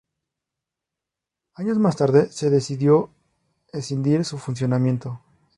Años más tarde se decidió escindir su funcionamiento.